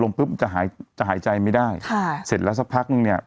ปุ๊บจะหายจะหายใจไม่ได้ค่ะเสร็จแล้วสักพักนึงเนี่ย